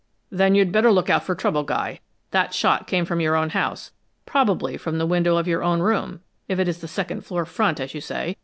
"Then you'd better look out for trouble, Guy. That shot came from your own house, probably from the window of your own room, if it is the second floor front, as you say.